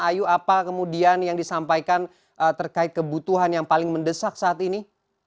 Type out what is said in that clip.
ayu apa kemudian yang disampaikan terkait kebutuhan yang paling mendesak saat ini